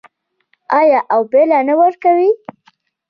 آیا او پایله نه ورکوي؟